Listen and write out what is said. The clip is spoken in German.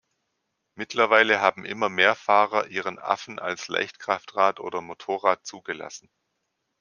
Mittlerweile haben immer mehr Fahrer ihren „Affen“ als Leichtkraftrad oder Motorrad zugelassen.